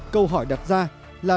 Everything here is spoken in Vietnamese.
câu hỏi đặt ra là